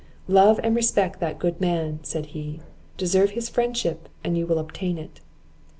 "Love and respect that good man," said he; "deserve his friendship, and you will obtain it."